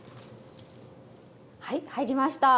はい入りました！